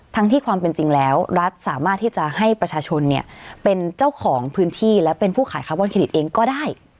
ที่ความเป็นจริงแล้วรัฐสามารถที่จะให้ประชาชนเนี่ยเป็นเจ้าของพื้นที่และเป็นผู้ขายคาร์บอนเครดิตเองก็ได้